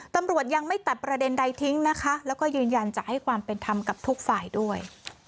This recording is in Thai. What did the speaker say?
ตำรวจยังไม่ตัดประเด็นใดทิ้งนะคะแล้วก็ยืนยันจะให้ความเป็นธรรมกับทุกฝ่ายด้วย